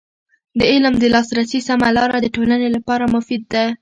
د علم د لاسرسي سمه لاره د ټولنې لپاره مفید ده.